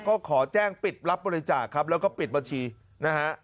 ก็ขอแจ้งปิดรับบริจาคแล้วก็ปิดบริษัทนะฮะ